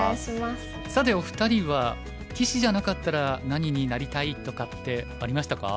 さてお二人は棋士じゃなかったら何になりたいとかってありましたか？